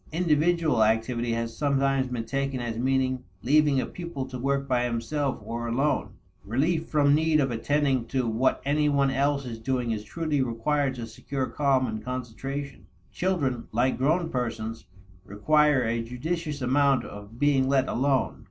Individual activity has sometimes been taken as meaning leaving a pupil to work by himself or alone. Relief from need of attending to what any one else is doing is truly required to secure calm and concentration. Children, like grown persons, require a judicious amount of being let alone.